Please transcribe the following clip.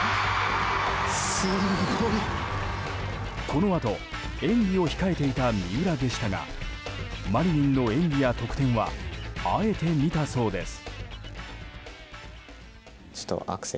このあと、演技を控えていた三浦でしたがマリニンの演技や得点はあえて見たそうです。